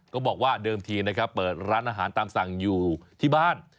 ก็บอกว่าเดิมทีนะครับเปิดร้านอาหารตามสั่งอยู่ที่บ้าน